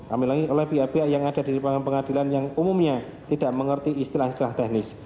ambil lagi oleh pihak pihak yang ada di pengadilan yang umumnya tidak mengerti istilah istilah teknis